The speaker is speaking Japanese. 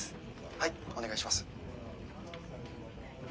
はいお願いします。